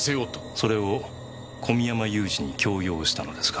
それを小見山勇司に強要したのですか？